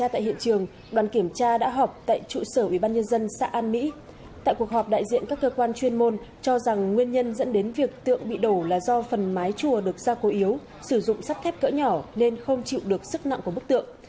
tại cuộc họp đại diện các cơ quan chuyên môn cho rằng nguyên nhân dẫn đến việc tượng bị đổ là do phần mái chùa được ra cố yếu sử dụng sắt thép cỡ nhỏ nên không chịu được sức nặng của bức tượng